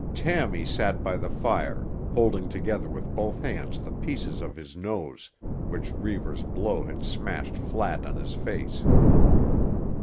Tammy sat by the fire, holding together with both hands the pieces of his nose which Reivers' blow had smashed flat on his face.